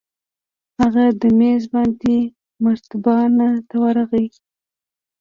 هغه په مېز باندې مرتبان ته ورغى.